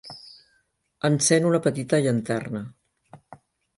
Encén una petita llanterna.